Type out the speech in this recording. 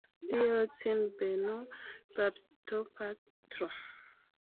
Dio cin benu, baptopatro!